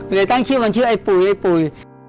เลยตั้งชื่อมันชื่อไอ้ปุ๋ยไอ้ปุ๋ย